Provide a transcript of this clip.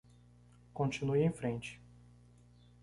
Continue em frente